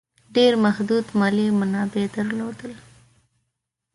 ډېر محدود مالي منابع درلودل.